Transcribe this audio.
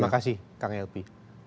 terima kasih kang elpy